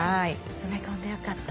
詰め込んでよかった。